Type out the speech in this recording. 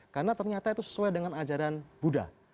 karena ternyata itu sesuai dengan ajaran buddha